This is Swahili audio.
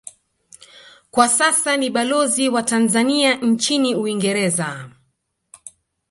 Kwa sasa ni balozi wa Tanzania nchini Uingereza